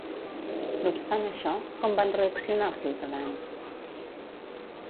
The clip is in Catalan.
No obstant això, com van reaccionar els ciutadans?